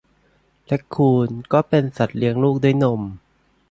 แรคคูนก็เป็นสัตว์เลี้ยงลูกด้วยนม